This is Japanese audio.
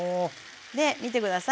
で見て下さい。